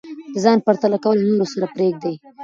د ځان پرتله کول له نورو سره پریږدئ.